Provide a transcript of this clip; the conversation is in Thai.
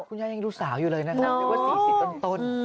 คุณยายยังดูสาวอยู่เลยนะน่าจะว่า๔๐ต้น